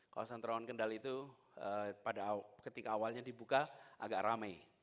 kawasan terowongan kendal itu pada ketika awalnya dibuka agak ramai